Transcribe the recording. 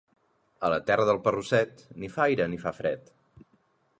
A la terra del parrusset ni fa aire ni fa fred.